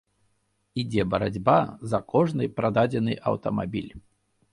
Ідзе барацьба за кожны прададзены аўтамабіль.